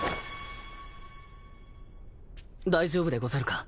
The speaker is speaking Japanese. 大丈夫でござるか？